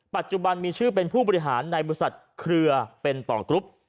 ปัจจุบันมีชื่อเป็นผู้บริหารในบริษัทเครือเป็นต่อกรุ๊ป